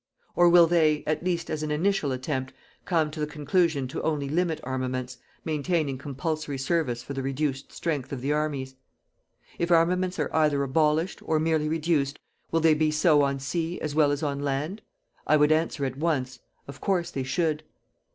Or will they, at least as an initial attempt, come to the conclusion to only limit armaments, maintaining compulsory service for the reduced strength of the armies? If armaments are either abolished, or merely reduced, will they be so on sea as well as on land? I would answer at once: of course, they should.